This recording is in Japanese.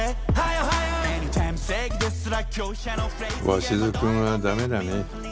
鷲津君はだめだね。